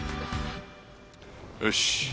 よし。